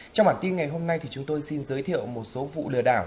trong bản tin ngày hôm nay chúng tôi xin giới thiệu một số vụ lừa đảo